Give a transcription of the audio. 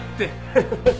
ハハハハ。